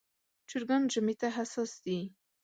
چرګان ژمي ته حساس دي.